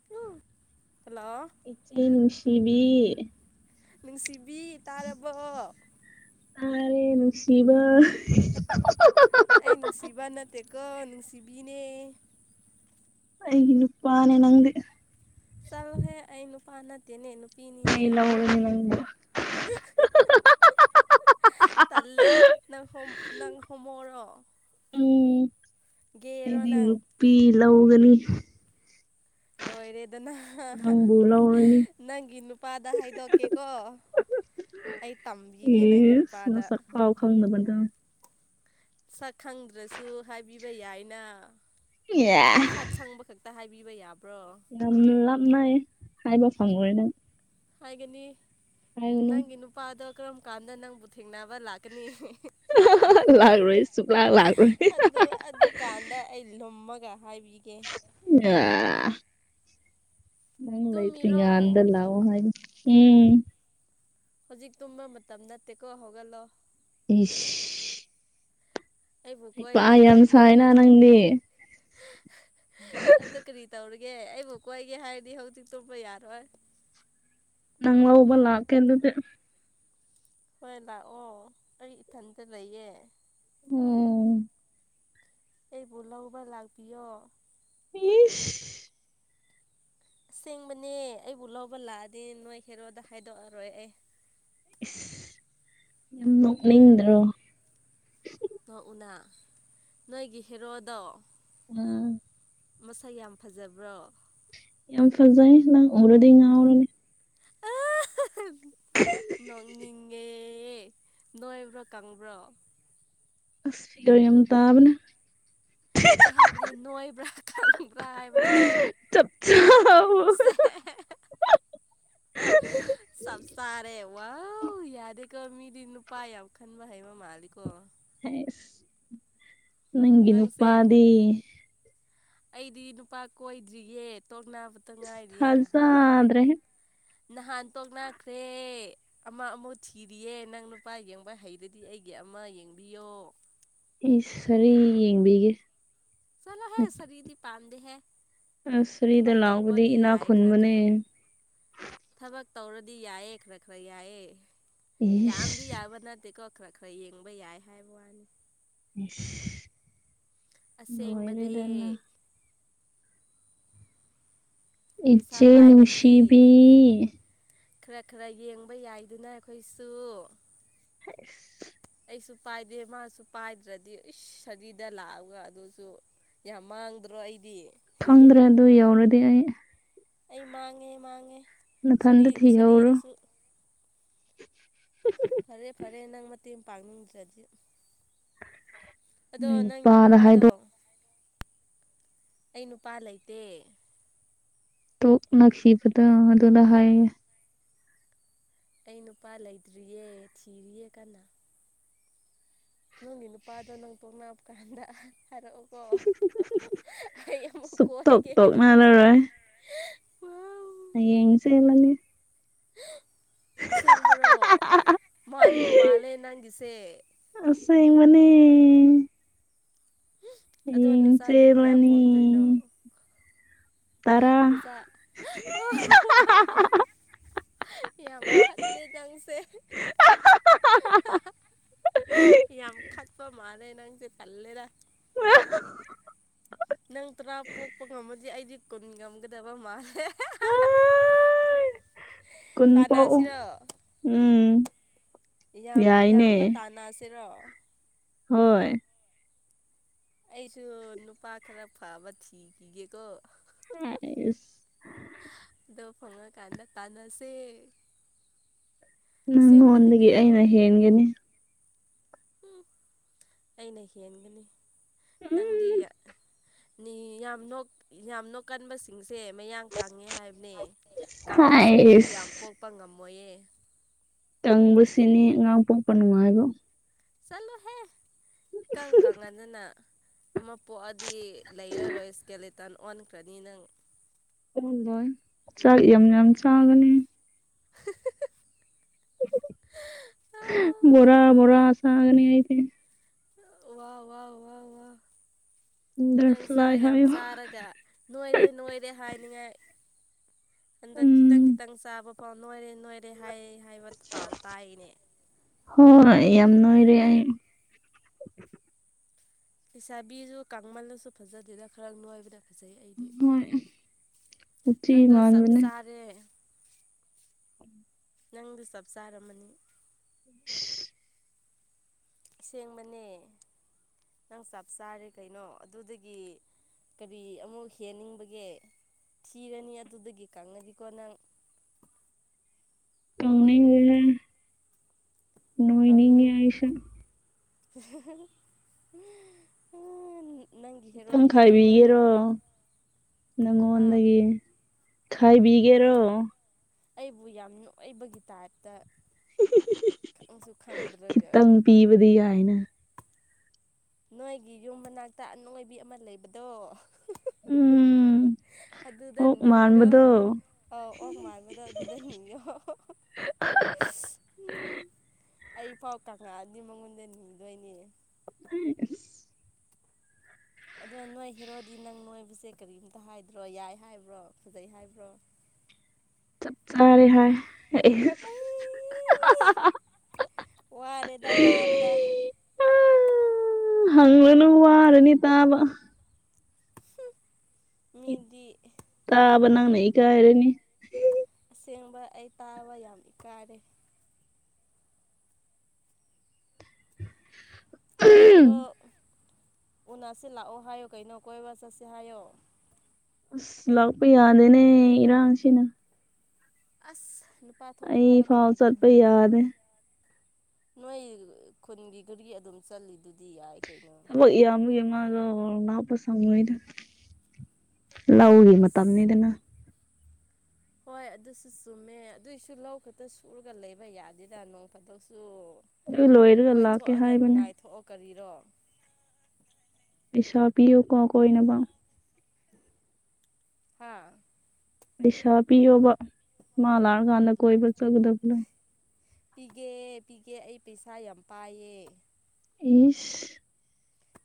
[unintelligible] Hello ꯏꯆꯦ ꯅꯨꯡꯁꯤꯕꯤ ꯅꯨꯡꯁꯤꯕꯤ ꯇꯥꯔꯕꯣ ꯇꯥꯔꯦ ꯅꯨꯡꯁꯤꯕ [unintelligible] ꯑꯩ ꯅꯨꯡꯁꯤꯕ ꯅꯠꯇꯦꯀꯣ ꯅꯨꯡꯁꯤꯕꯤꯅꯦ ꯑꯩꯒꯤ ꯅꯨꯄꯥꯅꯦ ꯅꯪꯗꯦ ꯆꯂꯣ ꯍꯦ ꯑꯩ ꯅꯨꯄꯥ ꯅꯠꯇꯦꯅꯦ ꯅꯨꯄꯤꯅꯤꯅꯦ [unintelligible] [unintelligible] [unintelligible] ꯇꯜꯂꯦ ꯅꯪ ꯍꯣꯝ ꯅꯪ ꯍꯣꯃꯣꯔꯣ ꯎꯝ ꯒꯦꯔꯣ ꯑꯩꯗꯤ ꯅꯪ ꯅꯨꯄꯤ ꯂꯧꯒꯅꯤ ꯂꯣꯏꯔꯦꯗꯅ [unintelligible] ꯅꯪꯕꯨ ꯂꯧꯔꯅꯤ ꯅꯪꯒꯤ ꯅꯨꯄꯥꯗ ꯍꯥꯏꯗꯣꯛꯀꯦꯀꯣ ꯑꯩ ꯇꯝꯕꯤꯒꯦ ꯅꯪꯒꯤ ꯏꯁ ꯅꯨꯄꯥꯗ ꯅꯁꯛ ꯐꯥꯎ ꯈꯪꯗꯕ ꯅꯪ ꯁꯛ ꯈꯪꯗ꯭ꯔꯁꯨ ꯍꯥꯏꯕꯤꯕ ꯌꯥꯏꯅ ꯏꯌꯥ ꯁꯛ ꯈꯪꯕ ꯈꯛ ꯇ ꯍꯥꯏꯕꯤꯕ ꯌꯥꯕ꯭ꯔꯣ ꯌꯥꯝ ꯂꯥꯞꯅꯩ ꯍꯥꯏꯕ ꯐꯪꯉꯣꯏꯌꯦ ꯅꯪ ꯍꯥꯏꯒꯅꯤ ꯍꯥꯏꯒꯅꯨ ꯅꯪꯒꯤ ꯅꯨꯄꯥꯗꯣ ꯀꯔꯝ ꯀꯥꯟꯗ ꯅꯪꯕꯨ ꯊꯦꯡꯅꯕ ꯂꯥꯛ ꯀꯅꯤ ꯂꯥꯛꯔꯣꯏ ꯁꯨꯛꯂꯥꯛ ꯂꯥꯛꯔꯣꯏ ꯑꯗꯨ ꯑꯗꯨꯛ ꯀꯥꯟꯗ ꯑꯩ ꯂꯨꯝꯃꯒ ꯍꯥꯏꯕꯤꯒꯦ ꯑ ꯇꯨꯝꯃꯤꯔꯣ ꯅꯪꯥꯏꯇꯔꯤꯒ ꯑꯗꯂ ꯑꯣ ꯍꯥꯏ ꯎꯝ ꯍꯧꯖꯤꯛ ꯇꯨꯝꯕ ꯃꯇꯝꯗ ꯇꯦꯛꯀꯣ ꯍꯧꯒꯠꯂꯣ ꯏꯁ ꯑꯩꯕꯨ ꯏꯄꯥ ꯀꯣꯏꯒꯦ ꯌꯥꯝ ꯁꯥꯏꯅ ꯅꯪꯗꯤ ꯑꯗꯨ ꯀꯔꯤ ꯇꯧꯔꯤꯒꯦ ꯑꯩꯕꯨ ꯀꯣꯏꯒꯦ ꯍꯥꯏꯔꯗꯤ ꯍꯧꯖꯤꯛ ꯇꯨꯝꯄ ꯌꯥꯔꯣꯏ ꯅꯪ ꯍꯕ ꯂꯥꯛꯀꯦ ꯟꯗꯨꯗꯤ ꯍꯣꯏ ꯂꯥꯛꯑꯣ ꯑꯩ ꯏꯊꯟꯇ ꯂꯩꯌꯦ ꯎꯝ ꯑꯩꯕꯨ ꯂꯧꯕ ꯂꯥꯛꯄꯤꯌꯣ ꯄꯤꯁ ꯑꯁꯦꯡꯕꯅꯦ ꯑꯩꯕꯨ ꯂꯧꯕ ꯂꯥꯛꯑꯗꯤ ꯅꯣꯏ ꯈꯦꯔꯣꯗ ꯈꯥꯏꯗꯣꯛꯑꯔꯣꯏ ꯑꯩ ꯏꯁ ꯅꯣꯛꯅꯤꯡꯗ꯭ꯔꯣ ꯅꯥꯛꯎꯅꯥ ꯅꯣꯏꯒꯤ ꯍꯦꯔꯣꯗꯣ ꯎꯝ ꯃꯁꯥ ꯌꯥꯝ ꯐꯖꯕ꯭ꯔꯣ ꯌꯥꯝ ꯐꯖꯩ ꯅꯪ ꯎꯔꯗꯤ ꯉꯔꯅꯤ ꯅꯣꯡꯅꯤꯡꯉꯦ ꯅꯣꯏꯕ꯭ꯔꯣ ꯀꯪꯕ꯭ꯔꯣ ꯑꯁ ꯄꯤꯒꯔ ꯌꯥꯝ ꯇꯥꯕꯅꯦ ꯑꯩ ꯍꯥꯏꯕꯗꯤ ꯅꯣꯏꯕ꯭ꯔꯥ ꯈꯪꯕ꯭ꯔꯥ ꯍꯥꯏꯕꯅꯦ [unintelligible] ꯁꯦ ꯆꯞ ꯆꯥꯔꯦ ꯋꯥ ꯌꯥꯔꯦꯀꯣ ꯃꯤꯗꯤ ꯅꯨꯄꯥꯥꯏ ꯌꯥꯝ ꯈꯟꯕ ꯍꯥꯏ ꯃ ꯃꯥꯜꯂꯤꯀꯣ ꯍꯁ ꯅꯪꯒꯤ ꯅꯪꯁꯦ ꯅꯨꯄꯥꯗꯤ ꯑꯩꯗꯤ ꯅꯨꯄꯥ ꯀꯣꯏꯗ꯭ꯔꯤꯌꯦꯦ ꯇꯣꯛ ꯅꯥꯕꯇ ꯏꯁ ꯉꯥꯏꯔꯤꯌꯦ ꯉꯥꯏꯍꯥꯟ ꯊꯥꯖꯗ꯭ꯔꯦꯍꯦ ꯅꯍꯥꯟ ꯇꯣꯛꯅꯥꯈ꯭ꯔꯦ ꯑꯃ ꯑꯃꯨꯛ ꯊꯤꯔꯤꯌꯦ ꯅꯪ ꯅꯨꯄꯥ ꯌꯦꯡꯕ ꯍꯩꯔꯗꯤ ꯑꯩꯒꯤ ꯑꯃ ꯌꯦꯡꯕꯤꯌꯣ ꯏꯁ ꯁꯔꯤ ꯌꯦꯡꯕꯤꯒꯦ ꯆꯂꯣ ꯍ ꯁꯔꯤꯗꯤ ꯄꯥꯟꯗ ꯍꯥꯏ ꯑꯁ ꯁꯥꯔꯤꯗ ꯊꯕꯛ ꯂꯥꯎꯕꯗꯤ ꯇꯧꯕꯗꯤ ꯏꯅꯥꯛ ꯌꯥꯏ ꯈꯔ ꯈꯔ ꯈꯨꯟꯕꯅꯦ ꯊꯕꯛ ꯇꯧꯔꯗꯤ ꯌꯥꯏꯌꯦ ꯈꯔ ꯈꯔ ꯌꯥꯏꯌꯦ ꯌꯥꯝꯗꯤ ꯏꯁ ꯌꯥꯕ ꯅꯠꯇꯦꯀꯣ ꯈꯔ ꯈꯔ ꯌꯦꯡꯕ ꯌꯥꯏ ꯍꯥꯏꯕ ꯋꯥꯅꯤ ꯏꯁ ꯂꯣꯏꯔꯦꯗꯅ ꯑꯁꯦꯡꯕꯗꯤ ꯄꯩꯁꯥ ꯏꯆꯦ ꯄꯥꯏꯔꯗꯤ ꯅꯨꯡꯁꯤꯕꯤ ꯈꯔ ꯈꯔ ꯌꯦꯡꯕ ꯌꯥꯢꯗꯅ ꯑꯩꯈꯣꯢꯁꯨ ꯍꯦꯁ ꯑꯩꯁꯨ ꯄꯥꯏꯗꯦ ꯃꯥꯁꯨ ꯄꯥꯏꯗ꯭ꯔꯗꯤ ꯏꯁ ꯁꯔꯤꯗ ꯂꯥꯛꯑꯒ ꯑꯗꯨꯁꯨ ꯌꯥꯝ ꯃꯥꯡꯗ꯭ꯔꯣ ꯑꯩꯗꯤ ꯈꯪꯗ꯭ꯔꯦ ꯑꯗꯨ ꯌꯧꯔꯗꯤ ꯑꯩ ꯑꯩ ꯃꯥꯡꯉꯦ ꯃꯥꯡꯉꯦ ꯁꯔꯤ ꯅꯊꯟꯗ ꯊꯤꯍꯧꯔꯣ ꯁꯔꯤꯗꯁꯨ ꯐꯔꯦ ꯐꯔꯦ ꯅꯪꯡꯅ ꯇꯦꯝꯄꯥꯛ ꯅꯨꯡꯗ꯭ꯔꯗꯤ ꯑꯗꯣ ꯅꯣꯏ ꯅꯪꯒꯤ ꯅꯨꯄꯥꯗ ꯍꯥꯏ ꯅꯨꯄꯥꯗꯣ ꯑꯩ ꯅꯨꯄꯥ ꯂꯩꯇꯦ ꯇꯣꯛꯅꯈꯤꯕꯗꯣ ꯑꯗꯨꯅ ꯍꯥꯏꯌꯦ ꯑꯩ ꯅꯨꯄꯥ ꯂꯩꯇ꯭ꯔꯤꯌꯦ ꯊꯤꯔꯤꯌꯦ ꯀꯅꯥ ꯅꯪꯒꯤ ꯅꯨꯄꯥꯗꯣ ꯅꯪ ꯄꯣꯛꯅꯥꯞꯀꯥꯟꯗ ꯍꯥꯏꯔꯛꯑꯣ ꯀꯣ ꯑꯣ ꯑꯃꯨꯛ ꯁꯨꯛꯇꯣꯛ ꯀꯣꯏꯒꯦ ꯇꯣꯛꯅꯔꯔꯣꯏ ꯍ ꯌꯦꯡꯁꯦꯃꯅꯤ ꯑꯁꯦꯡꯕꯔꯣ ꯃꯕꯨ ꯃꯥꯜꯂꯦ ꯅꯪꯒꯤꯁꯦ ꯑꯁꯥꯏ ꯃꯅꯤ ꯑꯗꯣ ꯍꯌꯦꯡ ꯅꯆꯥꯗꯤ ꯀꯌꯥ ꯆꯦꯜꯂꯅꯤ ꯇꯔꯥ ꯅꯆꯥꯥ [inaudible] ꯌꯥꯝ ꯈꯠꯂꯦ ꯅꯪꯁꯦ ꯌꯥꯝ ꯈꯠꯄ ꯃꯥꯜꯂꯦ ꯅꯪꯁꯦ ꯇꯜꯂꯦꯗ ꯍ [inaudible] ꯅꯪ ꯇꯔꯥ ꯄꯣꯛꯄ ꯉꯝꯃꯗꯤ ꯑꯩꯗꯤ ꯀꯨꯟ ꯉꯝꯒꯗꯕ ꯃꯥꯜꯂꯦ ꯑꯥꯏ ꯀꯨꯟ ꯄꯣꯛꯎ ꯇꯥꯟꯅꯁꯤꯔꯣ ꯌꯥꯝ ꯌꯥꯏꯅꯦ ꯌꯥꯝꯕ ꯇꯥꯟꯅꯁꯤꯔꯣ ꯍꯣꯏ ꯑꯩꯁꯨ ꯅꯨꯄꯥ ꯈꯔ ꯐꯕ ꯊꯤꯈꯤꯒꯦꯀꯣ ꯍꯥꯢꯁ ꯑꯗꯣ ꯐꯪꯉꯀꯥꯟꯗ ꯇꯥꯟꯅꯁꯦ ꯑꯁꯦꯡꯕꯅꯤ ꯅꯪꯉꯣꯟꯗꯒꯤ ꯀꯩꯅꯣ ꯑꯩꯅ ꯍꯦꯟꯒꯅꯤ ꯎ ꯑꯩꯅ ꯍꯦꯟꯒꯅꯤ ꯎꯝ ꯅꯪꯗꯤ ꯅꯤ ꯌꯥꯝꯅꯣꯛ ꯌꯥꯝꯅꯣꯛ ꯀꯟꯕꯁꯤꯡꯁꯦ ꯃꯌꯥꯡ ꯀꯪꯉꯦ ꯍꯥꯏꯕꯅꯦ ꯀꯪꯕꯁꯤꯡꯗꯤ ꯌꯥꯝ ꯍꯥꯏꯁ ꯄꯣꯛꯄ ꯉꯝꯃꯣꯏꯌꯦ ꯇꯪꯕꯁꯤꯅꯤ ꯑꯉꯥꯡ ꯄꯣꯛꯄ ꯅꯨꯡꯉꯥꯏꯕ ꯆꯠꯂꯣꯍꯦ ꯀꯪ ꯀꯪꯉꯗꯅ ꯑꯃ ꯄꯣꯛꯑꯗꯤ ꯂꯩꯔꯔꯣꯏ ꯏꯁ꯭ꯀꯦꯂꯦꯇꯟ ꯑꯣꯟꯈ꯭ꯔꯅꯤ ꯅꯪ ꯑꯣꯜꯂꯣꯢ ꯆꯥꯛ ꯌꯥꯝ ꯌꯥꯝ ꯆꯥꯒꯅꯤ [inaudible] ꯚꯣꯔꯥ ꯚꯣꯔꯥ ꯆꯥꯒꯅꯤ ꯑꯩꯗꯤ ꯋꯥ ꯋꯥ ꯋꯥ ꯋꯥ ꯅꯪ ꯕꯇꯔꯐ꯭ꯂꯥꯏ ꯌꯥꯝ ꯍꯥꯏꯌꯣ ꯆꯥꯔꯒ ꯅꯣꯏꯔꯦ ꯅꯣꯏꯔꯦ ꯍꯥꯏꯅꯤꯡꯉꯥꯏ ꯍꯟꯗꯛ ꯈꯤꯇꯪ ꯎꯝ ꯈꯤꯇꯪ ꯆꯥꯕ ꯑꯣ ꯅꯣꯏꯔꯦ ꯅꯣꯏꯔꯦ ꯍꯥꯏꯌꯦ ꯍꯥꯏꯕ ꯄꯥꯎ ꯇꯥꯏꯅꯦ ꯍꯣꯢ ꯌꯥꯝ ꯅꯣꯢꯔꯦ ꯑꯩ ꯂꯩꯁꯥꯕꯤꯁꯨ ꯀꯥꯡꯃꯜꯂꯁꯨ ꯐꯖꯗꯦꯅ ꯈꯔ ꯅꯣꯏꯕꯗ ꯐꯖꯩ ꯑꯩꯗꯤ ꯍꯣꯏ ꯎꯆꯤ ꯅꯪꯗꯣ ꯆꯞ ꯃꯥꯟꯕꯅꯦ ꯆꯥꯔꯦ ꯅꯪꯗꯨ ꯆꯞ ꯆꯥꯔꯝꯃꯅꯤ ꯏꯁ ꯑꯁꯦꯡꯕꯅꯦ ꯅꯪ ꯆꯞ ꯆꯥꯔꯦ ꯀꯩꯅꯣ ꯑꯗꯨꯗꯒꯤ ꯀꯔꯤ ꯑꯃꯨꯛ ꯍꯦꯟꯅꯤꯡꯕꯒꯦ ꯊꯤꯔꯅꯤ ꯑꯗꯨꯗꯒꯤ ꯀꯪꯉꯗꯤꯀꯣ ꯅꯪ ꯀꯪꯅꯤꯡꯔꯦ ꯅꯣꯏꯅꯤꯡꯉꯦ ꯀꯪꯅꯤꯡ ꯑꯩꯁꯨ [inaudible] ꯈꯤꯇꯪ ꯍꯦꯔꯣꯗꯤ ꯅꯣꯏꯕ ꯈꯥꯏꯕꯤꯒꯦꯔꯣ ꯍꯥ ꯅꯪꯉꯣꯟꯗꯒꯤ ꯈꯥꯏꯕꯤꯒꯦꯔꯣ ꯑꯩꯕꯨ ꯌꯥꯝ ꯅꯣꯢꯕꯒꯤ ꯇꯥꯏꯞꯇ ꯈꯪꯁꯨ ꯈꯪꯗ꯭ꯔꯒ ꯈꯤꯇꯪ ꯄꯤꯕꯗꯤ ꯌꯥꯢꯅ ꯅꯣꯏꯒꯤ ꯌꯨꯝ ꯃꯅꯥꯛꯇ ꯑꯅꯣꯢꯕꯤ ꯑꯃ ꯂꯩꯕꯗꯣ ꯎꯝ ꯑꯗꯨꯗ ꯑꯣꯛ ꯅꯤꯔꯣ ꯃꯥꯟꯕꯗꯣ ꯑꯧ ꯑꯣꯛ ꯃꯥꯟꯕꯗꯣ ꯑꯗꯨꯗ ꯅꯤꯌꯣ ꯎꯝ ꯑꯩꯐꯥꯎ ꯀꯪꯉꯛꯑꯗꯤ ꯃꯉꯣꯟꯗ ꯅꯤꯗꯣꯏꯅꯦ ꯑ [unintelligible] ꯑꯗꯣ ꯅꯣꯏ ꯍꯦꯔꯣꯗꯤ ꯅꯪ ꯅꯣꯏꯕꯁꯦ ꯀꯔꯤꯝꯇ ꯍꯥꯏꯗ꯭ꯔꯣ ꯌꯥꯏ ꯍꯥꯏꯕ꯭ꯔꯣ ꯐꯥꯖꯩ ꯍꯥꯏꯕ꯭ꯔꯣ ꯆꯞ ꯆꯥꯔꯦ ꯍꯥꯏ ꯑꯩ ꯋꯥꯔꯦꯗ ꯇꯥꯕꯗ ꯍꯪꯉꯥꯅꯨ ꯋꯥꯔꯅꯤ ꯇꯥꯕ ꯃꯤꯗꯤ ꯇꯥꯕ ꯅꯪꯅ ꯏꯀꯥꯏꯔꯥꯅꯤ ꯑꯁꯦꯡꯕ ꯑꯩ ꯇꯥꯕ ꯌꯥꯝ ꯏꯀꯥꯏꯔꯦ ꯅꯣꯏ ꯍꯦꯔꯣ ꯎꯅꯥꯁꯦ ꯂꯥꯛꯑꯣ ꯍꯥꯏꯌꯣ ꯀꯩꯅꯣ ꯀꯣꯏꯕ ꯆꯠꯁꯦ ꯍꯥꯏꯌꯣ ꯑꯁ ꯂꯥꯛꯄ ꯌꯥꯗꯦꯅꯦ ꯏꯔꯥꯡꯁꯤꯅ ꯑꯁ ꯅꯨꯄꯥ ꯊꯣꯛꯑꯣ ꯑꯩ ꯍꯥꯏꯌꯣ ꯐꯥꯎ ꯀꯥꯔꯤ ꯆꯠꯄ ꯌꯥꯗꯦ ꯅꯣꯏ ꯈꯨꯟꯒꯤꯗꯨꯗꯒꯤ ꯑꯗꯨꯝ ꯆꯠꯂꯤꯗꯨꯗꯤ ꯌꯥꯏ ꯀꯩꯅꯣ ꯑꯩꯈꯣꯏ ꯏꯌꯥꯝꯕꯒꯤ ꯃꯥꯗꯣ ꯂꯥꯛꯄ ꯁꯪꯉꯣꯏꯗ ꯂꯧꯒꯤ ꯑꯁ ꯃꯇꯝꯅꯤꯗꯅ ꯍꯣꯏ ꯑꯗꯨꯁꯨ ꯆꯨꯝꯃꯦ ꯑꯗꯨꯏꯁꯨ ꯂꯧ ꯈꯛꯇ ꯁꯨꯔꯒ ꯂꯩꯕ ꯌꯥꯗꯦꯗ ꯅꯣꯡ ꯐꯥꯗꯣꯛꯁꯨ ꯑꯗꯨ ꯂꯣꯏꯔꯒ ꯂꯥꯛꯀꯦ ꯀꯣꯏꯊꯣꯛꯑꯒ ꯍꯥꯏꯕꯅꯦ ꯅꯨꯡꯉꯥꯏꯊꯣꯛꯑꯣ ꯀꯥꯔꯤꯔꯣ ꯄꯩꯁꯥ ꯄꯤꯌꯨꯀꯣ ꯀꯣꯏꯅꯕ ꯍꯥꯥ ꯄꯩꯁꯥ ꯄꯤꯌꯣꯕ ꯃꯥ ꯂꯥꯛꯑꯀꯥꯟꯗ ꯀꯣꯏꯕ ꯆꯠꯀꯗꯕꯥꯗꯣ ꯄꯤꯒꯦ ꯄꯤꯒꯦ ꯑꯩ ꯄꯩꯁꯥ ꯌꯥꯝ ꯄꯥꯏꯌꯦ ꯏꯁ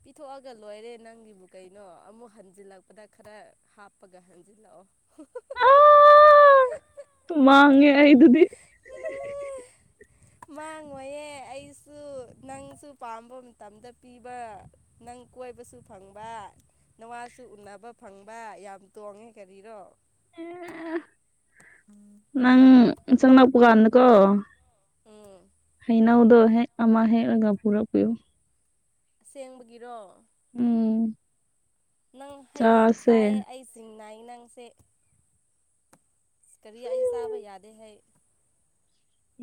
ꯄꯤꯊꯣꯛꯑꯒ ꯂꯣꯏꯔꯦ ꯅꯪꯒꯤꯕꯨ ꯀꯩꯅꯣ ꯑꯃꯨꯛ ꯍꯟꯖꯤꯜꯂꯛꯄꯗ ꯈꯔ ꯍꯥꯞꯄꯒ ꯍꯟꯖꯤꯜꯂꯛꯑꯣ ꯑꯥ ꯃꯥꯡꯉꯦ ꯑꯩ ꯑꯗꯨꯗꯤ ꯃꯥꯡꯉꯣꯏꯌꯦ ꯑꯩꯁꯨ ꯅꯪꯁꯨ ꯄꯥꯝꯕ ꯃꯇꯝꯗ ꯄꯤꯕ ꯅꯪ ꯀꯣꯏꯕꯁꯨ ꯐꯪꯕ ꯅꯥꯋꯥꯁꯨ ꯎꯅꯕ ꯐꯪꯕ ꯌꯥꯝ ꯇꯣꯡꯉꯦ ꯀꯔꯤꯔꯣ ꯅꯪ ꯆꯪꯂꯛꯄ ꯀꯥꯟꯗꯀꯣ ꯎꯝ ꯍꯩꯅꯧꯗꯣ ꯍꯦꯛ ꯑꯃ ꯍꯦꯛꯂꯥꯒ ꯄꯨꯔꯛꯄꯤꯌꯣ ꯑꯁꯦꯡꯕꯥꯒꯤꯔꯣ ꯎꯝ ꯅꯪ ꯍꯩ ꯌꯥꯝ ꯆꯥꯁꯦ ꯆꯥꯏꯌꯦ ꯑꯩ ꯆꯤꯡꯅꯩꯌꯦ ꯅꯪꯁꯦ ꯏꯁ ꯀꯔꯤ ꯑꯩ ꯆꯥꯕ ꯌꯥꯗꯦ ꯍꯩ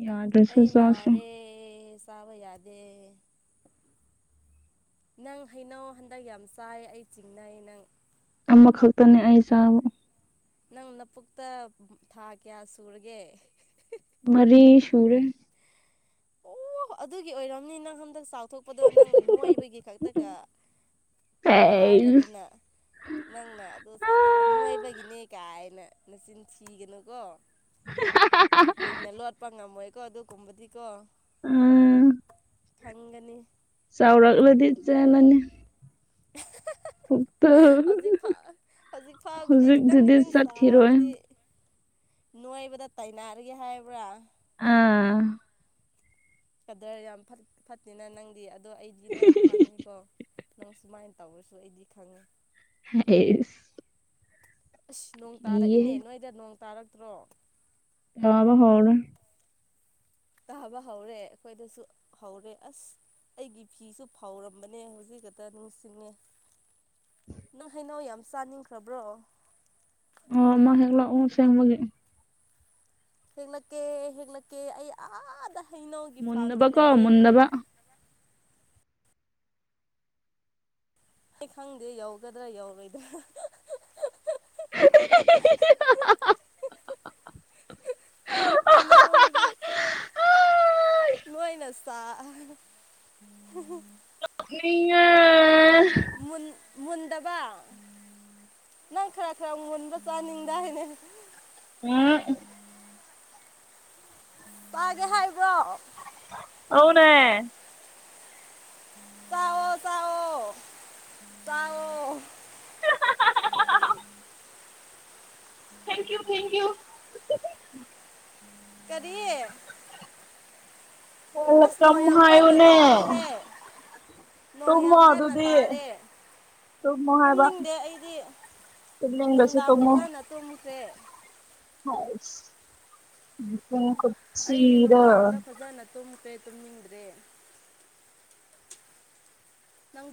ꯌꯥꯗ꯭ꯔꯁꯨ ꯑꯩ ꯆꯥꯁꯦ ꯅꯥꯔꯦ ꯆꯥꯕ ꯌꯥꯗꯦ ꯅꯪ ꯍꯩꯅꯧ ꯍꯟꯗꯛ ꯌꯥꯝ ꯆꯥꯏ ꯑꯩ ꯆꯤꯡꯅꯩ ꯅꯪ ꯑꯃꯈꯛꯇꯅꯦ ꯑꯩꯁꯥ ꯅꯪ ꯂꯕꯨꯨꯛꯇ ꯊꯥ ꯀꯌꯥ ꯁꯨꯔꯒꯦ ꯃꯔꯤ ꯁꯨꯨꯔꯦ ꯑꯣꯣ ꯑꯗꯨꯒꯤ ꯑꯣꯏꯔꯝꯅꯤ ꯅꯪ ꯍꯟꯗꯛ ꯆꯥꯎꯊꯣꯛꯄꯗꯣ ꯅꯪꯅ ꯅꯣꯏꯕꯒꯤ ꯈꯛꯇꯒ ꯑꯩ ꯍꯥꯏꯔꯗꯅ ꯅꯪꯅ ꯑꯗꯨ ꯆꯥꯎꯊꯣꯛꯑꯣ ꯅꯣꯏꯕꯒꯤꯅꯦ ꯀꯥꯏꯅ ꯅꯆꯤꯟ ꯊꯤꯒꯅꯨꯀꯣ [inaudible] ꯀꯨꯏꯅ ꯂꯣꯠꯄ ꯉꯝꯃꯣꯏꯀꯣ ꯑꯗꯨꯒꯨꯝꯕꯗꯤꯀꯣ ꯎꯝ [unintelligible] ꯐꯪꯒꯅꯤ ꯆꯥꯎꯔꯛꯂꯥꯗꯤ ꯆꯠꯂꯥꯅꯤ [unintelligible] ꯍꯧꯖꯤꯛꯐꯥꯎ ꯍꯧꯖꯤꯛꯐꯥꯎꯒꯤꯗꯤ ꯈꯤꯇꯪ ꯍꯧꯖꯤꯛꯇꯨꯗꯤ ꯈꯤꯇꯪ ꯆꯠꯈꯤꯔꯣꯏ ꯆꯥꯎꯕꯗꯤ ꯅꯣꯏꯕꯥꯗ ꯇꯥꯏꯅꯔꯒꯦ ꯍꯥꯏꯕ꯭ꯔꯥ ꯑꯥ ꯀꯥꯗꯔ ꯌꯥꯝ ꯐꯠꯇꯦꯅ ꯅꯪꯗꯤ ꯑꯗꯣ ꯑꯩꯗꯤ ꯂꯣꯏꯅ ꯈꯪꯉꯦꯀꯣ ꯅꯪ ꯁꯨꯃꯥꯏꯅ ꯇꯧꯔꯁꯨ ꯑꯩꯗꯤ ꯈꯪꯉꯦ꯫ [unintelligible] ꯑꯁ ꯅꯣꯡ ꯀꯤꯌꯦ ꯇꯥꯔꯛꯏꯅꯦ ꯅꯣꯏꯗ ꯅꯣꯡ ꯇꯥꯔꯛꯇ꯭ꯔꯣ? ꯇꯥꯕ ꯍꯧꯔꯦ꯫ ꯇꯥꯕ ꯍꯧꯔꯦ ꯑꯩꯈꯣꯏꯗꯁꯨ ꯍꯧꯔꯦ ꯑꯁ ꯑꯩꯒꯤ ꯐꯤꯁꯨ ꯐꯥꯎꯔꯝꯕꯅꯦ ꯍꯧꯖꯤꯛ ꯈꯛꯇ ꯅꯤꯡꯁꯤꯡꯉꯦ꯫ ꯅꯪ ꯍꯩꯅꯧ ꯌꯥꯝ ꯆꯥꯅꯤꯡꯈ꯭ꯔꯕ꯭ꯔꯣ? ꯑꯣꯃ ꯍꯦꯒꯂꯣ ꯑꯣ ꯁꯦꯡꯃꯒꯦ꯫ ꯍꯦꯛꯂꯛꯀꯦ ꯍꯦꯛꯂꯛꯀꯦ ꯑꯩ ꯑꯥꯗ ꯍꯩꯅꯧꯒꯤ ꯐꯥꯔꯝꯗ ꯃꯨꯟꯗꯕꯀꯣ ꯂꯩꯑ ꯃꯨꯟꯗꯕ ꯑꯩ ꯈꯪꯗꯦ ꯌꯧꯒꯗ꯭ꯔꯥ ꯌꯧꯔꯣꯏꯗ꯭ꯔꯥ? [unintelligible] ꯀꯩꯅꯣ ꯍꯧꯖꯤꯛ ꯅꯣꯏꯅ ꯆ [unintelligible] ꯃꯟ ꯃꯟꯗꯕ ꯅꯪ ꯈꯔ ꯈꯔ ꯃꯨꯟꯕ ꯆꯥꯅꯤꯡꯗꯥ ꯍꯥꯏꯅꯦ꯫ ꯎꯝ ꯄꯥꯒꯦ ꯍꯥꯏꯕ꯭ꯔꯣ ꯎꯝ ꯑꯧꯅꯦ ꯇꯑꯣ ꯇꯑꯣ ꯌꯥꯑꯣ꯫ [unintelligible] Thank you thank you. ꯀꯔꯤ ꯑꯁ ꯋꯦꯜꯀꯝ ꯅꯣꯡ ꯍꯥꯏ ꯀꯟꯅꯥ ꯇꯔꯦꯍꯦ꯫ ꯅꯣꯡ ꯇꯨꯝꯃꯣ ꯌꯥꯝ ꯀꯟꯅ ꯑꯗꯨꯗꯤ ꯇꯥꯔꯦ꯫ ꯇꯨꯝꯃꯣ ꯍꯥꯏꯕ ꯇꯨꯝꯅꯤꯡꯗꯦ ꯑꯩꯗꯤ ꯇꯨꯝꯅꯤꯡꯗ꯭ꯔꯁꯨ ꯅꯨꯡꯗꯥꯡ ꯇꯨꯝꯃꯣ ꯐꯖꯅ ꯇꯨꯝꯁꯦ꯫ [unintelligible] ꯑꯩꯗꯤ ꯅꯨꯡꯗꯥꯡꯗ ꯐꯖꯅ ꯇꯨꯝꯈ꯭ꯔꯦ ꯇꯨꯝꯅꯤꯡꯗ꯭ꯔꯦ꯫ ꯅꯪ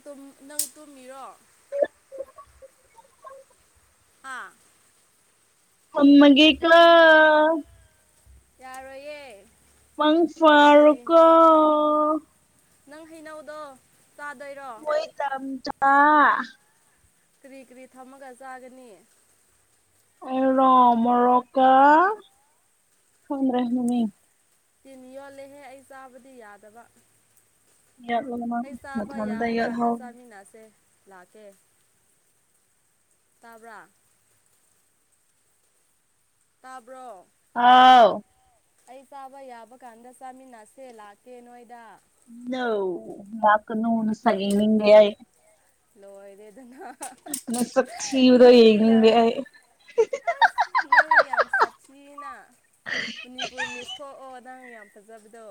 ꯅꯪ ꯇꯨꯝꯃꯤꯔꯣ? ꯍꯥꯥ ꯊꯝꯃꯥꯒꯦ ꯀꯣ ꯌꯥꯔꯣꯏꯌꯦ꯫ ꯃꯪ ꯀꯔꯤ ꯀꯔꯤ ꯐꯥꯔꯣꯀꯑꯣ ꯫ ꯅꯪ ꯍꯩꯅꯧꯗꯣ ꯇꯥꯗꯣꯏꯔꯣ? ꯍꯣꯏ ꯘꯥꯝꯆꯥꯥꯥꯥꯥꯥ ꯀꯔꯤ ꯀꯔꯤ ꯊꯝꯃꯒ ꯆꯥꯒꯅꯤ꯫ ꯑꯩꯔꯣ ꯃꯣꯔꯣꯛꯀ ꯈꯗ꯭ꯔꯦ ꯃꯃꯤꯡ ꯇꯤꯟ ꯌꯣꯠꯂꯦꯍꯦ ꯑꯩ ꯆꯥꯕꯗꯤ ꯌꯥꯗꯕ [unintelligible] ꯑꯩ ꯆꯥꯕ ꯃꯊꯟꯇ ꯌꯥꯕ ꯀꯥꯟꯗ ꯌꯥꯠꯍꯧ ꯆꯥꯃꯤꯟꯅꯁꯦ ꯂꯥꯛꯀꯦ꯫ ꯇꯥꯕ꯭ꯔꯥ ꯇꯥꯕ꯭ꯔꯣ ꯍꯥꯎ ꯑꯩ ꯆꯥꯕ ꯌꯥꯕ ꯀꯥꯟꯗ ꯆꯥꯃꯤꯟꯅꯁꯦ ꯂꯥꯛꯀꯦ ꯅꯣꯏꯗ ꯅꯣ ꯂꯥꯛꯀꯅꯨ ꯅꯥꯁꯛ ꯌꯦꯪꯅꯤꯪꯗꯦ ꯫ ꯂꯣꯏꯔꯦꯗꯅ꯫ ꯅꯥꯁꯥꯛ ꯊꯤꯕꯒꯤ ꯅꯪꯗꯤ ꯌꯦꯪꯅꯤꯡꯗꯦ꯫ ꯅꯪꯅ ꯌꯥꯝꯝ ꯁꯥꯊꯤꯅꯥ꯫ ꯃꯅꯤꯄꯨꯔ ꯃꯤꯁ ꯊꯣꯛꯑꯣ ꯅꯪ ꯌꯥꯝ ꯐꯖꯕꯗꯣ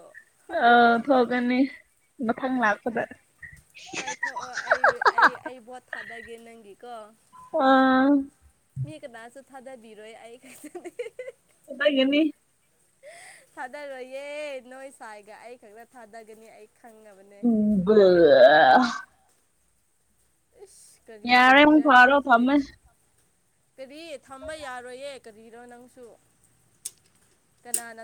ꯑ ꯐꯒꯅꯤ ꯃꯊꯪ ꯂꯥꯛꯄꯗ ꯄꯥꯏꯊꯣꯛꯑꯣ ꯑꯩ ꯑꯩ ꯑꯩ ꯚꯣꯠ ꯊꯥꯗꯒꯦ ꯅꯪꯒꯤꯀꯣ ꯑꯥ ꯃꯤ ꯀꯅꯥꯁꯨ ꯊꯥꯗꯕꯤꯔꯣꯏ ꯑꯩ ꯈꯇ ꯅꯦ [unintelligible] ꯊꯥꯗꯒꯤꯅꯤ [unintelligible] ꯊꯥꯗꯔꯣꯏꯌꯦ ꯅꯣꯏ ꯁꯥꯏꯒ ꯑꯩ ꯈꯛꯅ ꯊꯥꯗꯒꯅꯤ ꯑꯩ ꯈꯪꯉꯕꯅꯦ [unintelligible] ꯏꯁ ꯀꯔꯤ ꯌꯥꯔꯦ ꯑꯃꯨꯛ ꯀꯔꯤꯔ ꯄꯨꯔꯛꯑꯅꯣ ꯅꯪꯁꯤꯗꯤ ꯊꯝꯃꯦ ꯀꯔꯤ ꯊꯝꯕ ꯌꯥꯔꯣꯏꯌꯦ ꯀꯔꯤꯔꯥ ꯅꯪꯁꯨ ꯀꯅꯥꯅ__